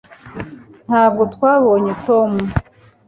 ntabwo twabonye tom